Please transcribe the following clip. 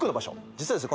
実はですね